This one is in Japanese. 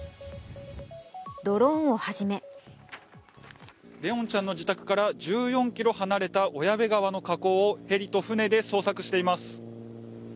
ドローンをはじめ怜音ちゃんの自宅から１４ｋｍ離れた小矢部川の河口をヘリと船で捜索しています。